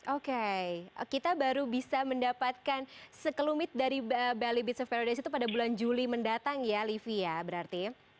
oke kita baru bisa mendapatkan sekelumit dari bali beach of peries itu pada bulan juli mendatang ya livi ya berarti ya